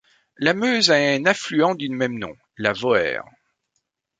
La Meuse a un affluent du même nom: la Voer.